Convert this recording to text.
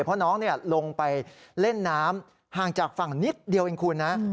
เพราะน้องลงไปเล่นน้ำห่างจากฝั่งนิดเดียวเองคุณนะ